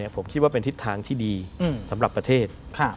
ผมคิดว่าเป็นทิศทางที่ดีสำหรับประเทศ